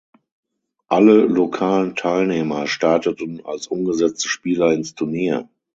Alle lokalen Teilnehmer starteten als ungesetzte Spieler ins Turnier.